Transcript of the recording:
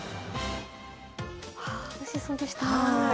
おいしそうでしたね。